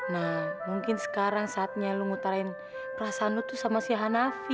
nah mungkin sekarang saatnya lu mutarin perasaan lu sama si hanafi